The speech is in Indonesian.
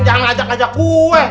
jangan ajak ajak gue